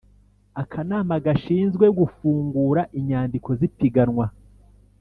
Akanama gashinzwe gufungura inyandiko z ipiganwa